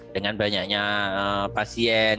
dengan banyaknya pasien